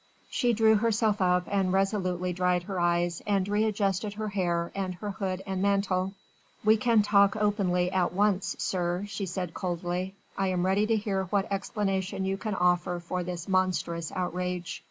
She drew herself up and resolutely dried her eyes and readjusted her hair and her hood and mantle. "We can talk openly at once, sir," she said coldly. "I am ready to hear what explanation you can offer for this monstrous outrage."